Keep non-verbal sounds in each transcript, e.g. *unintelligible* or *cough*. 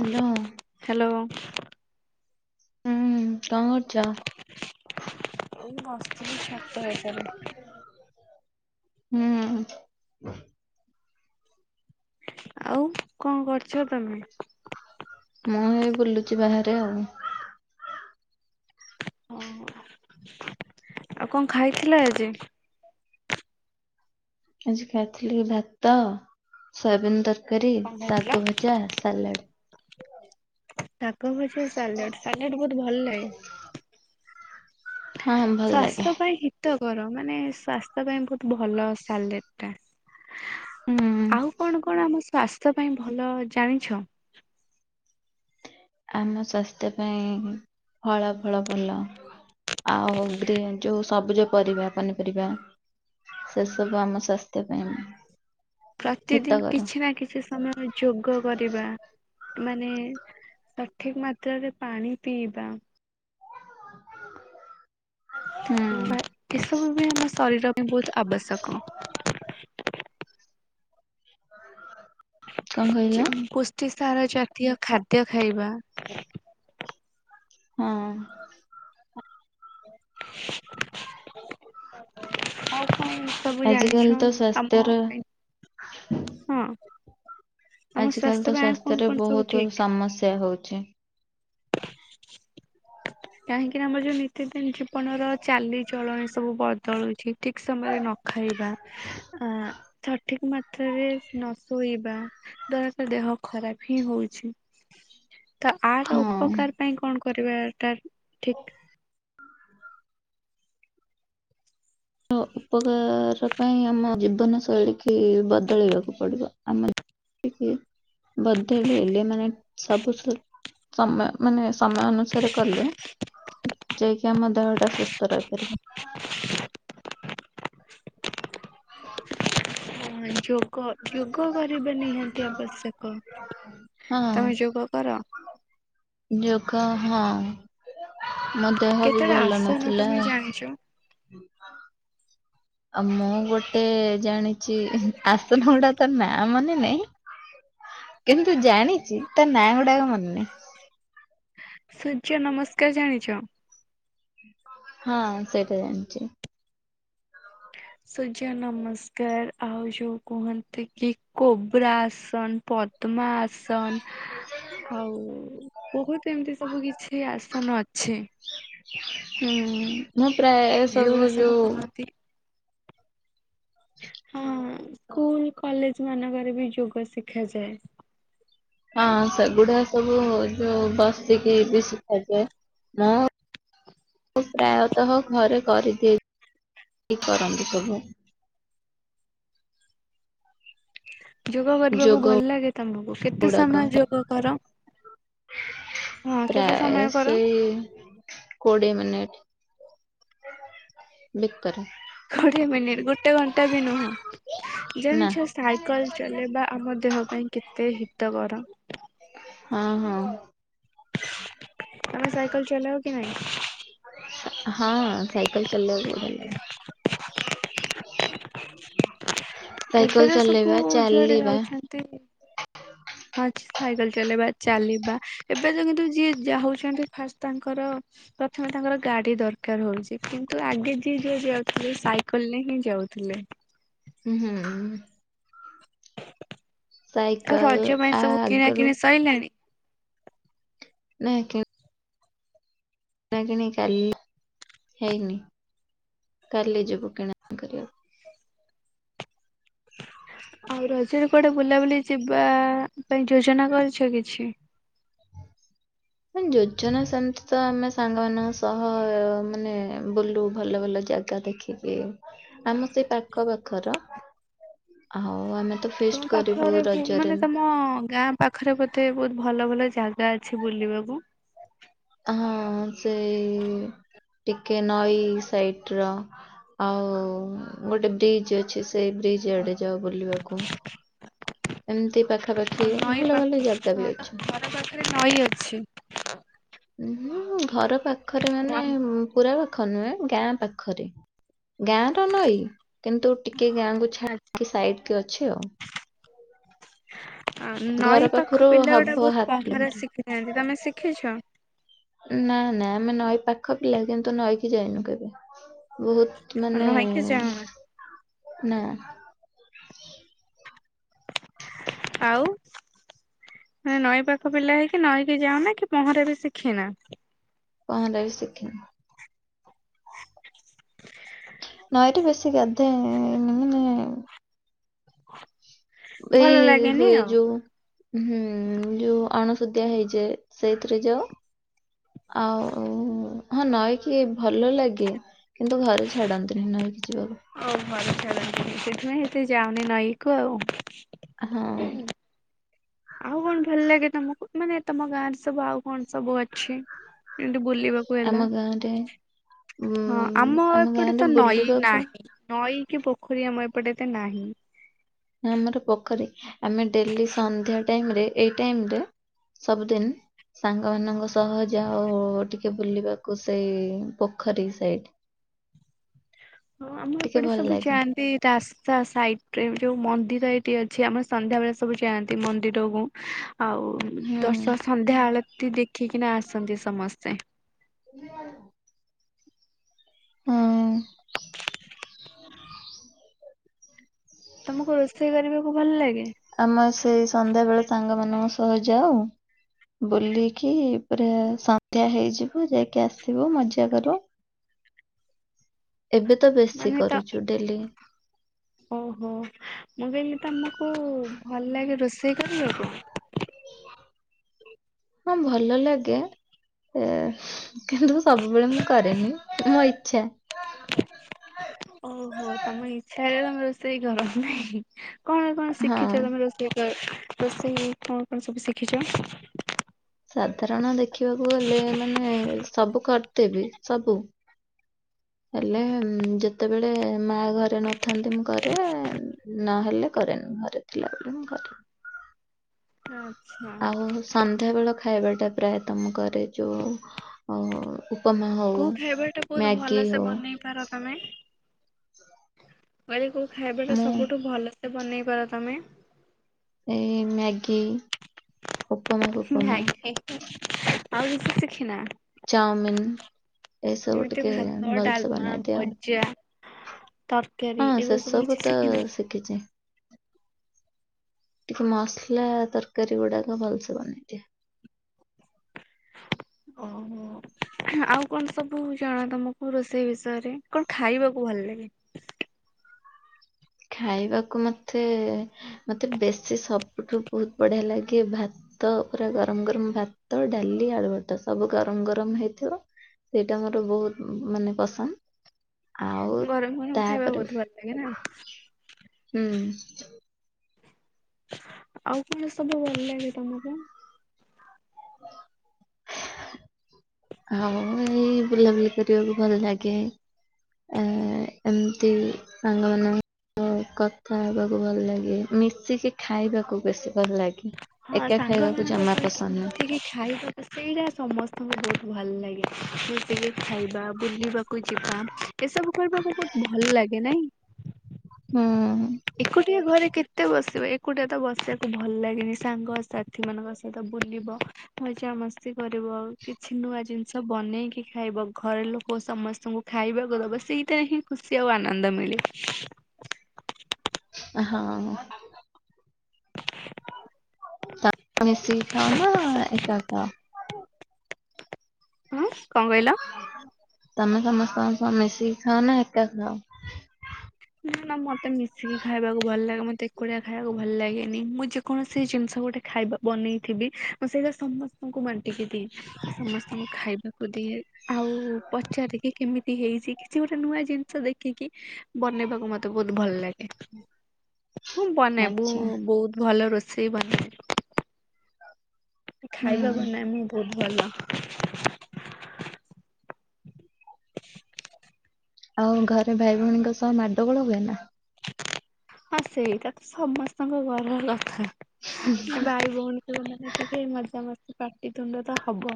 Hello. Hello. ହୁଁ କଣ କରୁଛ? ଏଇ ବସିଥିଲି ଛାତ ଉପରେ। ହୁଁ। ଆଉ କଣ କରୁଚ ତମେ? ମୁଁ ଏଇ ବୁଲୁଚି ବାହାରେ ଆଉ। ଓ ହୋ ଆଉ କଣ ଖାଇଥିଲେ ଆଜି? ଆଜି ଖାଇଥିଲି ଭାତ ସୋୟାବିନ ତରକାରୀ କଣ ଖାଇଥିଲ? ଶାଗ ଭଜା ସାଲାଡ। ଶାଗ ଭଜା ସାଲଡ, ସାଲଡ ବହୁତ ଭଲ ଲାଗେ। ହଁ ଭଲ ଲାଗେ ସ୍ଵାସ୍ଥ୍ୟ ପାଇଁ ହିତକର ମାନେ ସ୍ୱାସ୍ଥ୍ୟ ପାଇଁ ବହୁତ ଭଲ ସାଲେଡ୍ ହୁଁ ଟା। ଆଉ ଆମ କଣ କଣ ଆମ ସ୍ୱାସ୍ଥ୍ୟ ପାଇଁ ଭଲ ଜାଣିଛ? ଆମ ସ୍ୱାସ୍ଥ୍ୟ ପାଇଁ ଫଳ ଫଳ ଭଲ। ଆଉ ଗ୍ରୀନ ଯୋଉ ସବୁଜ ପରିବା ପନିପରିବା। ସେ ସବୁ ଆମ ସ୍ୱାସ୍ଥ୍ୟ ପାଇଁ ପ୍ରତିଦିନ ହିତକର କିଛି ନା କିଛି ସମୟ ବି ଯୋଗ କରିବା ମାନେ ସଠିକ ମାତ୍ରାରେ ପାଣି ପିଇବା ହୁଁ ବା ଏ ସବୁ ବି ଆମର ଶାରୀର ପାଇଁ ବହୁତ ଆବଶ୍ୟକ। କଣ କହିଲ ଯେମ ପୁଷ୍ଟିସାର ଜାତୀୟ ଖାଦ୍ୟ ଖାଇବା। ହୁଁ। *inaudible* ଆଉ କଣ ସବୁ ଆଜିକାଲି ଜାଣିଛ ତ ଆମ ସ୍ୱାସ୍ଥ୍ୟର ପାଇଁ ହଁ। ଆଜକାଲି ସ୍ୱାସ୍ଥ୍ୟ ତ ପାଇଁ କଣ ସ୍ୱାସ୍ଥ୍ୟରେ କଣ ସବୁ ବହୁତୁ ଠିକ ସମସ୍ୟା ହଉଛି। କାହିଁକି ନା ଆମର ଯୋଉ ନୀତିଦିନ ଜୀବନର ଚାଲି ଚଳଣି ସବୁ ବଦଳୁଛି। ଠିକ ସମୟରେ ନ ଖାଇବା ଆ ସଠିକ ମାତ୍ରାରେ ନ ଶୋଇବା ଦ୍ଵାରା ସେ ଦେହ ଖରାପ ହିଁ ହଉଛି। *inaudible* ତ ହଁ ଆର ଉପକାର ପାଇଁ କଣ କରିବାଟା ଠିକ? ଅ ଉପକାର ପାଇଁ ଆମ ଜୀବନ ଶୈଳୀ କି ବଦଳଇବାକୁ ପଡିବ ଆମ ଟିକି ବଦଳେଇଲେ ମାନେ ସବୁ ସୁ ସମୟ ମାନେ ସମୟ ଅନୁସାରେ କଲେ ଯାଇକି ଆମ ଦେହଟା ସୁସ୍ଥ ରହିପାରିବ। ହଁ *inaudible* *inaudible* ଏ ଯୋଉ କ ଯୋଗ କରିବା ନିହାତି ଆବଶ୍ୟକ, ତମେ ହଁ ଯୋଗ କର? ଯୋଗ ହଁ, ମୋ ଦେହ ବି କେତେଟା ଭଲ ଆସନ ନଥିଲା। *unintelligible* ଆଉ ମୁଁ ଗୋଟେ ଜାଣିଛି ଆସନଗୁଡା ତ ନାଁ ମନେ ନାଇଁ କିନ୍ତୁ ଜାଣିଛି ତା ନାଁ ଗୁଡାକ ମନେ ନାହିଁ। ସୂର୍ଯ୍ୟ ନମସ୍କାର ଜାଣିଛ? ହଁ ସେଇଟା ଜାଣିଛି। ସୂର୍ଯ୍ୟ ନମସ୍କାର ଆଉ ଯୋଉ କୁହନ୍ତି କି, କୋବ୍ରା ଆସନ ପଦ୍ମା ଆସନ ଆଉ ବହୁତ ଏମିତି ସବୁ କିଛି ଆସନ ଅଛି। ହୁଁ, ମୁଁ ପ୍ରାୟ ଏ ଯୋଉଗୁଡା ସବୁ ଯୋଉ କହନ୍ତି ହୁଁ, ସ୍କୁଲ କଲେଜ ମାନଙ୍କରେ ବି ଯୋଗ ଶିଖାଯାଏ। ହଁ ସେଗୁଡା ସବୁ ଯୋଉ ବସିକି ବି ଶିଖାଯାଏ, ମୁଁ ମୁଁ ପ୍ରାୟତଃ ଘରେ କରିଦିଏ *unintelligible* କରନ୍ତି ସବୁ। ଯୋଗ କରିବାକୁ ଯୋଗ ଭଲ ଲାଗେ ତମକୁ କେତେ ଗୁଡାକ ସମୟ ଯୋଗ କର? ହଁ କେତେ ପ୍ରାୟ ସମୟ କର? ସେଇ କୋଡ଼ିଏ ମିନିଟ୍। ଭିତରେ କୋଡିଏ ମିନିଟ ଗୋଟେ ଘଣ୍ଟା ବି ନୁହଁ, ନା ଜାଣିଛ ସାଇକଲ ଚଲେଇବା ଆମ ଦେହ ପାଇଁ କେତେ ହିତକର। ହଁ, ହଁ। ତମେ ସାଇକେଲ ଚଲାଅ କି ନାଇଁ? ହଁ ସାଇକଲ୍ ଚଲେଇବାକୁ ବଢିଆ ଲାଗେ। ଏବେ ସାଇକଲ୍ ତ ସବୁ ଚଲେଇବା, ଯୁଆଡେ ଚାଲିବା ଯାଉଛନ୍ତି ହଁ ସାଇକଲ୍ ଚଲେଇବା, ଚାଲିବା ଏବେ *unintelligible* କିନ୍ତୁ ଯିଏ ଯାଉଛନ୍ତି ଫାଷ୍ଟ ତାଙ୍କର ପ୍ରଥମେ ତାଙ୍କର ଗାଡି ଦରକାର ହଉଛି, କିନ୍ତୁ ଆଗେ ଯିଏ ଯୁଆଡେ ଯାଉଥିଲେ ସାଇକେଲରେ ହିଁ ଯାଉଥିଲେ। ଉହୁଁ। ଆଉ ସାଇକେଲ ରଜ ପାଇଁ ଆ ସବୁ କିଣା ଆଗରୁ କିିଣି ସଇଲାଣି? ନାଇଁ କି ଣା କିଣି କାଲି ହେଇନି କାଲି ଯିବୁ କିଣା କରିଆକୁ। ଆଉ ରଜରେ କୁଆଡେ ବୁଲାବୁଲି ଯିବା ପାଇଁ ଯୋଜନା କରିଛ କିଛି? ଯୋଜନା ସେମ୍ତି ତ ଆମେ ସାଙ୍ଗମାନଙ୍କ ସହ ମାନେ ବୁଲୁ ଭଲ-ଭଲ ଜାଗା ଦେଖି କି ଆମ ସେଇ ପାଖ ପାଖର ଆଉ ଆମେ ତ ତୁମ ଫିଷ୍ଟ କରିବୁ ପାଖରେ ରଜରେ। ମାନେ ତମ ଗାଁ ପାଖରେ ବୋଧେ ବହୁତ୍ ଭଲ-ଭଲ ଜାଗା ଅଛି ବୁଲିବାକୁ? ହଁ, ସେଇ ଟିକେ ନଈ ସାଇଟ୍ ର ଆଉ ଗୋଟେ ବ୍ରିଜ୍ ଅଛି, ସେଇ ବ୍ରିଜ୍ ଆଡେ ଯାଉ ବୁଲିବାକୁ। ଏମ୍ତି ପାଖାପାଖି ନଈ ପାଖ ଭଲ-ଭଲ ଜାଗା ହଁ ବି ତମ ଅଛି। ଘର ପାଖରେ ନଈ ଅଛି। ଉଁ, ଘର ପାଖରେ ମାନେ ନଈ ପୁରା ପାଖ ନୁହେଁ ଗାଁ ପାଖରେ, ଗାଁ ର ନଈ କିନ୍ତୁ ଟିକେ ଗାଁକୁ ଆଚ୍ଛା। ଛାଡିକି ସାଇଟ୍ କି ଅଛି ଆଉ। ଘର ନଈ ପାଖ ପାଖରୁ ପିଲା ଗୁଡା ହବ ହାଫ୍ ବହୁତ ପହଁରା କିଲୋମିଟର। ଶିଖିଥାନ୍ତି, ତମେ ଶିଖିଛ? ନା-ନା ଆମେ ନଈ ପାଖ ପିଲା କିନ୍ତୁ ନଈକି ଯାଇନୁ କେବେ, ବହୁତ୍ ମାନେ ନଈକି ଯାଅନା ନା। ଆଉ? ମାନେ ନଈ ପାଖ ପିଲା ହେଇକି ନଈକି ଯାଉନା କି ପହଁରା ବି ଶିଖିନା? ପହଁରା ବି ଶିଖିନି। ନଈ ରେ ବେଶୀ ଗାଧାଏନି, ମାନେ ଭଲ ଏଇ ଲାଗେନି ହୁଏ ଆଉ। ଯୋଉ ହୁଁ, ଯୋଉ ଅଣୁସୁଦିଆ ହେଇଯାଏ ସେଇଥିରେ ଯାଉ। ଆଉ ହଁ ନଈକି ଭଲ ଲାଗେ, କିନ୍ତୁ ଘରେ ଛାଡନ୍ତିନି ନଈକି ଯିବାକୁ। ଓ ଘରେ ଛାଡ଼ନ୍ତିନି, ସେଥିପାଇଁ ଏତେ ଯାଅନି ନଈକୁ ଆଉ। ହଁ। ଆଉ କଣ ଭଲ୍ ଲାଗେ ତମକୁ ମାନେ ତମ ଗାଁ ରେ ସବୁ ଆଉ କଣ ସବୁ ଅଛି ଯେମିତି ବୁଲିବାକୁ ଆମ ହେଲା, ଗାଁରେ ଉଁ ହଁ ଆମ ଏପଟେ ଗାଁରେ ତ ନଈ ବୁଲିବାକୁ ନାହିଁ। ନଈ କି ପୋଖରୀ ଆମ ଏପଟେ ଏତେ ନାହିଁ। ଆମର ପୋଖରୀ, ଆମେ ଡେଲି ସନ୍ଧ୍ୟା ଟାଇମ୍ ରେ ଏଇ ଟାଇମ୍ ରେ ସବୁଦିନ୍ ସାଙ୍ଗମାନଙ୍କ ସହ ଯାଉ ଟିକେ ବୁଲିବାକୁ ସେଇ ପୋଖରୀ ସାଇଟ୍। *inaudible* ହଁ ଆମ ଟିକେ ଏପଟେ ଭଲ ସବୁ ଲାଗେ ଯାଆନ୍ତି ରାସ୍ତା ସାଇଟ୍ ରେ ଯୋଉ ମନ୍ଦିର ଏଇଟି ଅଛି, ଆମର ସନ୍ଧ୍ୟା ବେଳେ ସବୁ ଯାଆନ୍ତି ମନ୍ଦିରକୁ। ଆଉ ହୁଁ ଦର୍ଶ ସନ୍ଧ୍ୟାଆଳତୀ ଦେଖିକିନା ଆସନ୍ତି ସମସ୍ତେ। *inaudible* ହଁ। ତମକୁ ରୋଷେଇ କରିବାକୁ ଭଲ୍ ଲାଗେ? ଆମେ ସେଇ ସନ୍ଧ୍ୟାବେଳେ ସାଙ୍ଗ ମାନଙ୍କ ସହ ଯାଉ। ବୁଲିକି ପୁରା ସନ୍ଧ୍ୟା ହେଇଯିବ ଯାଇକି ଆସିବୁ ମଜା କରୁ। ଏବେ ତ ବେଶୀ ମାନେ ତ କରୁଛୁ ଡେଲି। ଓହୋ ମୁଁ କହିଲି ତମକୁ ଭଲ ଲାଗେ ରୋଷେଇ କରିବାକୁ? ହଁ ଭଲ ଲାଗେ। ଏ କିନ୍ତୁ ମୁଁ ସବୁବେଳେ ମୁଁ କରେନି ମୋ ଇଚ୍ଛା। ଓହୋ ତମ ଇଚ୍ଛା ହେଲେ ତମେ ରୋଷେଇ କର ନାହିଁ? କଣ କଣ ହଁ। ଶିଖିଛ ତମେ ରୋଷେଇ କହି ରୋଷେଇ କଣ କଣ ସବୁ ଶିଖିଛ? ସାଧାରଣ ଦେଖିବାକୁ ଗଲେ ମାନେ ସବୁ କରିଦେବି ସବୁ। ହେଲେ ଯେତେବେଳେ ମା ଘରେ ନଥାନ୍ତି ମୁଁ କରେ ନହେଲେ କରେନି ଘରେ। ଥିଲାବେଳେ ମୁଁ କରେନି। ଆଚ୍ଛା। ଆଉ ସନ୍ଧ୍ୟାବେଳ ଖାଇବାଟା ପ୍ରାୟତଃ ମୁଁ କରେ ଯୋଉ ଅ ଉପମା ହଉ କୋଉ ଖାଇବା ଟା ବହୁତ ମ୍ୟାଗି ଭଲସେ ହଉ। ବନେଇ ପାର ତମେ କହିଲି କୋଉ ଖାଇବାଟା ମୁଁ ସବୁଠୁ ଭଲ ଏତେ ବନେଇପାର ତମେ? ଏଇ ମ୍ୟାଗି। ଉପମା ଫୁପମା *unintelligible* ଆଉ କିଛି ଶିଖିନା? ଚାଓମିିନ ଏସବୁ ଯେମିତି ଟିକେ ଭାତ, ଭଲସେ ଡାଲମା, ବନେଇ ଦିଏ ଆଉ। ଭଜା, ତରକାରୀ ହଁ ଏବେ ସବୁ ସେସବୁ କିଛି ତ ଶିଖିନ? ଶିଖିଛି। ଟିକେ ମସଲା ତରକାରୀ ଗୁଡାକ ଭଲସେ ବନେଇଦିଏ। ଓହୋ। ଆଉ କଣ ସବୁ ଜଣା ତମକୁ ରୋଷେଇ ବିଷୟରେ କଣ ଖାଇବାକୁ ଭଲ ଲାଗେ? ଖାଇବାକୁ ମତେ ମତେ ବେଶୀ ସବୁଠୁ ବହୁତ ବଢିଆ ଲାଗେ ଭାତ ଭାତ ପୁରା ଗରମ ଗରମ ଭାତ ଡାଲି ଆଲୁଭର୍ତା ସବୁ ଗରମ ଗରମ ହେଇଥିବ। ସେଇଟା ମୋର ବହୁତ ମାନେ ପସନ୍ଦ ଆଉ ତାପରେ ଏଇରା। ହୁଁ। ଆଉ କଣ ସବୁ ଭଲ ଲାଗେ ତମକୁ? ହ ଆଉ ଏଇ ବୁଲାବୁଲି କରିବାକୁ ଭଲ ଲାଗେ। ଏ ଏମତି ସାଙ୍ଗମାନେ ଆ କଥା ହେବାକୁ ଭଲ ଲାଗେ ମିଶିକି ଖାଇବାକୁ ବେଶୀ ଭଲ ଲାଗେ। ହଁ ଏକା ଖାଇବାକୁ ସାଙ୍ଗମାନାନଙ୍କ ଜମା ସହିତ ପସନ୍ଦ ମିଶିକି ଖାଇବା ସେଇଟା ସମସ୍ତଙ୍କୁ ବହୁତ ଭଲ ଲାଗେ। ବୁଲିକିଖାଇବା, ବୁଲିବାକୁ ଯିବା, ଏସବୁ କରିବାକୁ ବହୁତ ଭଲ ଲାଗେ, ନାଇଁ? ହୁଁ। ଏକୁଟିଆ ଘରେ କେତେ ବସିବ, ଏକୁଟିଆ ତ ବସିବାକୁ ଭଲ ଲାଗେନି, ସାଙ୍ଗସାଥି ସେମାନଙ୍କ ସହିତ ବୁଲିବ। ମଜାମସ୍ତି କରିବ, କିଛି ନୂଆ ଜିନିଷ ବନେଇକି ଖାଇବ, ଘର ଲୋକ ସମସ୍ତଙ୍କୁ ଖାଇବାକୁ ଦବ, ସେଇଟାହିଁ, ଖୁସି ଆଉ ଆନନ୍ଦ ମିଳେ। ହଁ। *unintelligible* ମିଶିକି ଖାଅ ନା ଏକା ଖାଅ? ଉଁ, କଣ କହିଲ? ତମେ, ସମସ୍ତଙ୍କ ସହ ମିଶିକି ଖାଅ ନା, ଏକା ଖାଅ? ନା, ନା ମତେ ମିଶିକି ଖାଇବାକୁ ଭଲ ଲାଗେ, ମତେ ଏକୁଟିଆ ଖାଇବାକୁ ଭଲ ଲାଗେନି ମୁଁ ଚୁପ କୌଣସି ଜିନିଷ ଗୋଟେ ଖାଇବା ବନେଇଥିବି, ମୁଁ ସେଇଟା ସମସ୍ତଙ୍କୁ ବାଣ୍ଟିକି ଦିଏ। ସମସ୍ତଙ୍କୁ ଖାଇବାକୁ ଦିଏ, ଆଉ ପଚାରିବି କେମିତି ହେଇଛି କିଛି ଗୋଟେ ନୂଆ ଜିନିଷ ଦେଖିକି ବନେଇବାକୁ ମତେ ବହୁତ ଭଲ ଲାଗେ, ମୁଁ ବନାଏ, ଆଚ୍ଛା ବହୁ- ବହୁତ ଭଲ ରୋଷେ ସେଇ ବନାଏ। ଉଁ ହୁଁ ଖାଇବା ବନାଏ ମୁଁ ବୋହୁ ଭଲ। *inaudible* ଆଉ ଘରେ ଭାଇ ଭଉଣୀଙ୍କ ସହ ମାଡଗୋଳ ହୁଏ ନା। ହଁ ସେଇଟା ତ ସମସ୍ତଙ୍କ ଘରର କଥା କି ବାଇ ଭଉଣୀ ରହିଲା ମାନେ ଟିକିଏ ମଜାମସ୍ତି ପାଟିିତୁଣ୍ଡ ତ ହବ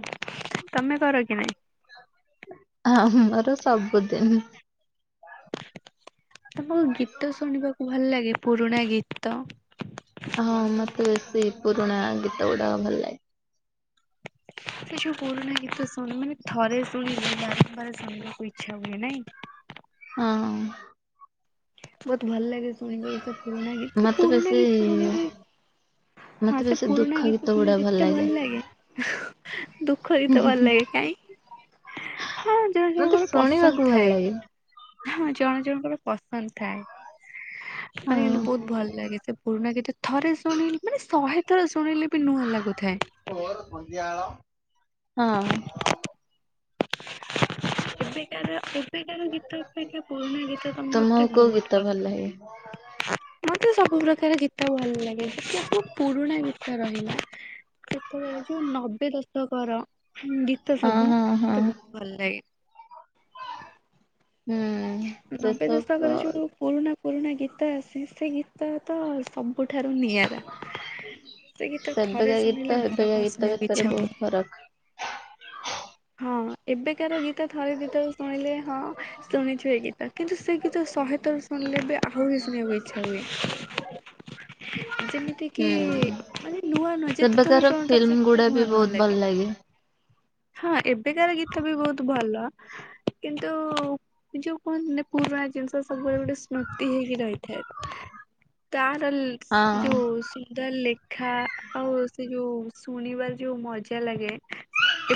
ତମେ କର କି ନାଇଁ? ହଁ ହଁ ଆମର ସବୁଦିନ। ଆପଣଙ୍କୁ ଗୀତ ଶୁଣିବାକୁ ଭଲ ଲାଗେ ପୁରୁଣା ଗୀତ। ହଁ ମତେ ସେ ପୁରୁଣା ଗୀତଗୁଡାକ ଭଲ ଲା *inaudible* ସେ ଯୋଉ ପୁରୁଣା ଗୀତ ଶୁଣିବୁ ମାନେ ଥରେ ଶୁଣିଲେ ବାରମ୍ବାର ଶୁଣିବାକୁ ଇଚ୍ଛା ହୁଏ ନାଇଁ। ହଁ। ବୋହୁତ ଭଲ ଲାଗେ ଶୁଣିବାକୁ ସେ ପୁରୁଣା ଗୀତ ସେ ମତେ ପୁରୁଣା ବେଶୀ ଗୀତ ଶୁଣିବା ପାଇଁ ହଁ ମତେ ସେ ବେଶୀ ପୁରୁଣା ଦୁଃଖ ଗୀତ ଗୁଡା ଶୁଣିକି ଭଲ ଏତେ ଲାଗେ। ଭଲଲାଗେ ଦୁ ଖ ଗୀତ ଭଲ ଲାଗେ କାଇଁ ହଁ ଜଣ ମତେ ଜଣଙ୍କର ଶୁଣିବାକୁ ପସନ୍ଦ ଭଲ ଥାଏ। ଲାଗେ ହଁ ଜଣ ଜଣଙ୍କର ପସନ୍ଦ ଥାଏ। ମାନେ ହଁ। କିନ୍ତୁ ବୋହୁତ ଭଲ ଲାଗେ ସେ ପୁରୁଣା ଗୀତ ଥରେ ଶୁଣିଲି ମାନେ ଶହେ ଥର ଶୁଣିଲେ ବି ନୂଆ ଲାଗୁଥାଏ। ମୋର ସନ୍ଧ୍ୟାଳ ହଁ। *inaudible* ଏବେକାର ଏବେକାର ଗୀତ ଅପେକ୍ଷା ପୁରୁଣା ଗୀତ ତ ମତେ ବୋହୁତ ପସ ଲା *unintelligible* ମତେ ସବୁ ପ୍ରକାର ଗୀତ ଭଲ ଲାଗେ ସବୁ ପୁରୁଣା ଗୀତ ରହିଲା ସେ ତେବେଳେ ଯୋଉ ନବେ ଦଶକର ହୁଁ ଗୀତ ହଁ ସବୁ ହଁ ହଁ ମତେ ବହୁତ ଭଲ ଲାଗେ ହୁଁ ସେ ନବେ ଦଶକର ସବୁ ଯୋଉ ପୁରୁଣା ପୁରୁଣା ଗୀତ ଆସେ ସେ ଗୀତ ତ ସବୁଠାରୁ ନିଆରା ସେ ଗୀତ ଥରେ ଶୁଣିଲେ ବାରମ୍ବାର ସ୍ ତ ଭିତରେ ବୋହୁତ ଫରକ୍। ହଁ ଏବେକାର ଗୀତ ଥରେ ଦି ଥର ଶୁଣିଲେ ହଁ ଶୁଣିଥିବେ ଗୀତ କିନ୍ତୁ ସେ ଗୀତ ଶହେଥର ଶୁଣିଲେ ବି ଆହୁରି ଶୁଣିବାକୁ ଇଚ୍ଛା ହୁଏ। *inaudible* *inaudible* ଯେମିତିକି ହୁଁ। ମାନେ ନୂଆ ନୂଆ ଯେତେଥର ସେବେକାର ଶୁଣୁଥାଅ ଫିଲ୍ମ ସେତେ ଗୁଡା ବି ନୂଆ ନୂଆ ବହୁତ ଭଲ ଲାଗେ। ହଁ ଏବେକାର ଗୀତ ବି ବୋହୁତୁ ଭଲ। କିନ୍ତୁ ଏ ଯୋଉ କହନ୍ତିନି ପୁରୁଣା ଜିନିଷ ସବୁବେଳେ ଗୋଟେ ସ୍ମୃତି ହେଇକି ରହିଥାଏ। ତାହାର ଲ୍ ହଁ ଯୋଉ ସୁନ୍ଦର ଲେ ଖା ଆଉ ସେଇ ଯୋଉ ଶୁଣିବାର ଯୋଉ ମଜା ଲାଗେ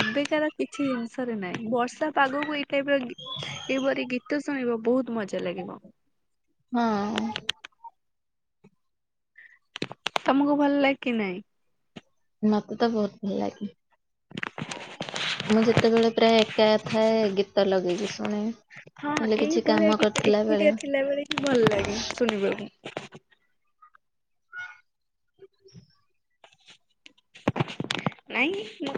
ଏବେକାର କିଛି ଜିନିଷରେ ନାଇଁ ବର୍ଷା ପାଗକୁ ଏଇ ଟାଇପର ଗୀ ଏହିପରି ଗୀତ ଶୁଣିବ ବୋହୁତ ମଜା ଲାଗିବ। ହଁ। ତମୁକୁ ଭଲ ଲାଗ୍ କି ନାଇଁ। ମତେ ତ ବୋହୁତ ଭଲ ଲାଗେ। ମୁଁ ଯେତେବେଳେ ପ୍ରାୟ ଏକା ଥାଏ ଗୀତ ଲଗେଇକି ଶୁଣେ। ହଁ ହେଲେ କିଛି ଏଇଭଳିଆ କାମ ଗୀତ କରିଥିଲା ବେଳେ ଏକୁଟିଆ ଥିଲାବେଳେ ହିଁ ଭଲ ଲାଗେ ଶୁଣିବାକୁ। *inaudible* ନାଇଁ ମୁଁ କ